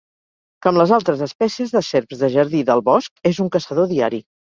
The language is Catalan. Com les altres espècies de serps de jardí del bosc és un caçador diari.